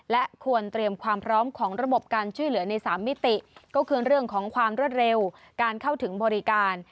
และควรเตรียมความพร้อมของระบบการช่วยเหลือใน๓มิติก็คือเรื่องของความรวดเร็วการเข้าถึงบริการ